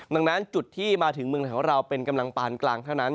ดังนั้นจุดที่มาถึงเมืองไทยของเราเป็นกำลังปานกลางเท่านั้น